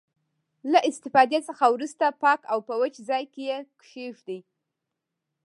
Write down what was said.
له استفادې څخه وروسته پاک او په وچ ځای کې یې کیږدئ.